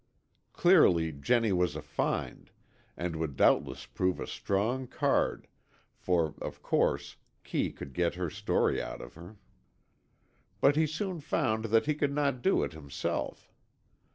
Clearly, Jennie was a find, and would doubtless prove a strong card, for, of course, Kee would get her story out of her. But he soon found that he could not do it himself.